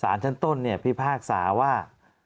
สารชั้นต้นพี่ภาคสาว่า